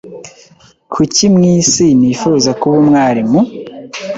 Kuki mwisi nifuza kuba umwarimu?